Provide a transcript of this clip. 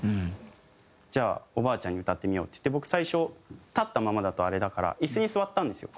「じゃあおばあちゃんに歌ってみよう」って言って僕最初立ったままだとあれだから椅子に座ったんですよ。